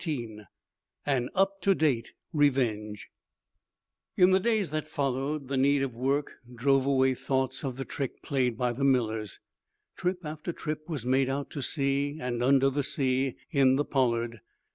CHAPTER XIV AN UP TO DATE REVENGE In the days that followed, the need of work drove away thoughts of the trick played by the Millers. Trip after trip was made out to sea, and under the sea, in the "Pollard."